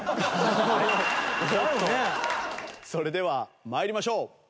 それでは参りましょう。